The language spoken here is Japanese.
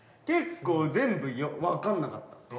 結構全部分かんなかった。